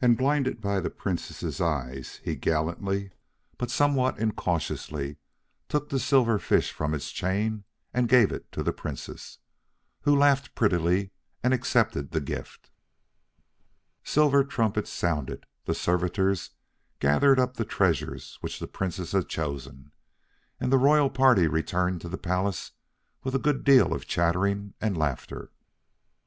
And blinded by the Princess's eyes, he gallantly, but somewhat incautiously, took the silver fish from its chain and gave it to the Princess, who laughed prettily, and accepted the gift. Silver trumpets sounded, the servitors gathered up the treasures which the Princess had chosen, and the royal party returned to the palace with a good deal of chattering and laughter.